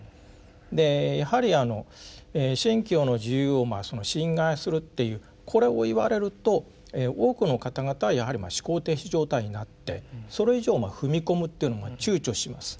でやはり「信教の自由」を侵害するっていうこれを言われると多くの方々はやはりまあ思考停止状態になってそれ以上踏み込むっていうのをちゅうちょします。